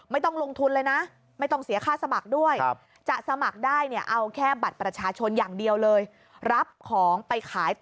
ไม่ต้องลงทุนเลยนะ